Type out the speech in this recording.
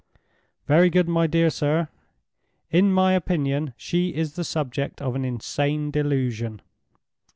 "Very good, my dear sir. In my opinion, she is the subject of an insane delusion.